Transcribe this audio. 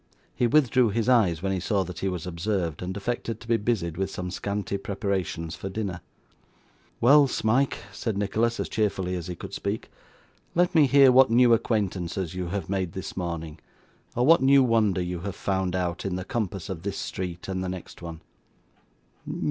He withdrew his eyes when he saw that he was observed, and affected to be busied with some scanty preparations for dinner. 'Well, Smike,' said Nicholas, as cheerfully as he could speak, 'let me hear what new acquaintances you have made this morning, or what new wonder you have found out, in the compass of this street and the next one.